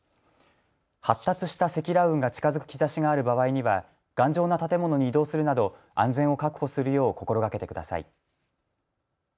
発達した積乱雲が近づく兆しがある場合には頑丈な建物に移動するなど安全を確保するよう心がけてください。